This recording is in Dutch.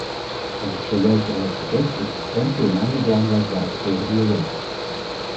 Zoals ik zojuist al heb gezegd, is preventie een ander belangrijk wapen tegen diabetes.